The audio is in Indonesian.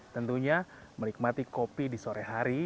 tentunya menikmati kopi di sore hari